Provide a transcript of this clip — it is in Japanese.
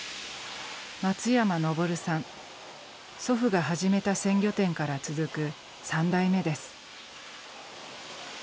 祖父が始めた鮮魚店から続く３代目です。